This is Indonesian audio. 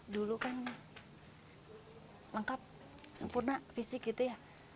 dulu kan lengkap sempurna fisik gitu ya